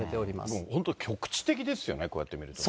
もう本当、局地的ですよね、こうやって見るとね。